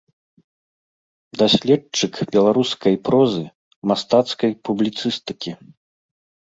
Даследчык беларускай прозы, мастацкай публіцыстыкі.